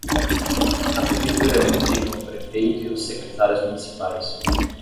Na prefeitura é onde ficam o prefeito e os secretários municipais